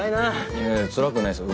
いやいやつらくないですよ